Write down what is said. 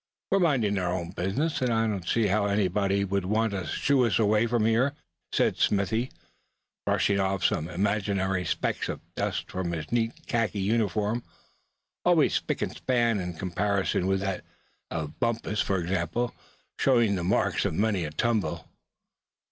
"We're minding our own business, and I don't see how anybody would want to shoo us away from here," said Smithy, brushing off some imaginary specks of dust from his neat khaki uniform, always spic and span in comparison with that of Bumpus for example, showing the marks of many a tumble.